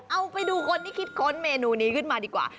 เอาไปดูคนที่คิดค้นเมนูนี้ขึ้นมาดีกว่า